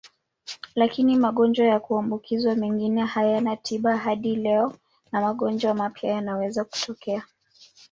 Lakini magonjwa ya kuambukizwa mengine hayana tiba hadi leo na magonjwa mapya yanaweza kutokea.